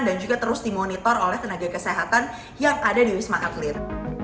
dan juga terus dimonitor oleh tenaga kesehatan yang ada di wisma atlet